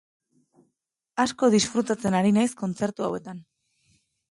Asko disfrutatzen ari naiz kontzertu hauetan.